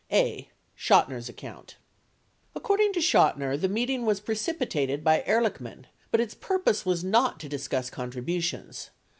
a. Chotmerh Account According to Chotiner, 80 the meeting was precipitated by Ehrlich man but its purpose was not to discuss contributions.